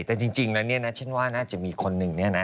แต่จริงแล้วเนี่ยนะฉันว่าน่าจะมีคนนึงเนี่ยนะ